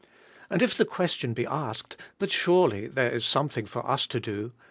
And if the question be asked, 'But surely there is some thing for us to do?'